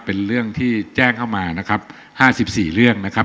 เป็นเรื่องที่แจ้งเข้ามานะครับ๕๔เรื่องนะครับ